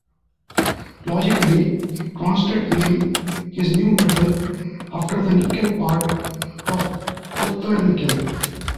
Logically, Cronstedt named his new metal after the "nickel" part of "kupfernickel".